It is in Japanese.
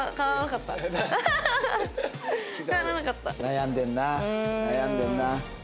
悩んでるな悩んでるな。